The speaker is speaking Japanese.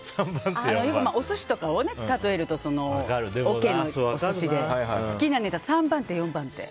よく、お寿司とかで例えるとおけのお寿司で好きなネタ３番手、４番手。